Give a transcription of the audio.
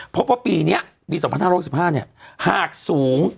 เพราะว่าปีนี้ปี๒๐๑๕เนี่ยหากสูง